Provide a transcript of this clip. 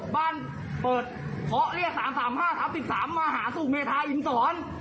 บ้านเปิดเขาเรียกสามสามห้าสามสิบสามมาหาสู่เมธาอิมสอน